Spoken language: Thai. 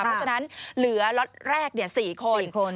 เพราะฉะนั้นเหลือล็อตแรก๔คน